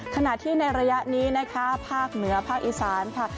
ขณะที่ในระยะนี้นะคะภาคเหนือภาคอีสานค่ะ